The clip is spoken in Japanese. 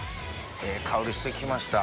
ええ香りしてきました。